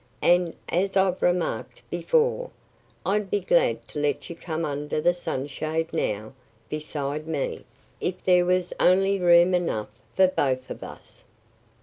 "And as I've remarked before, I'd be glad to let you come under the sunshade now, beside me, if there was only room enough for both of us."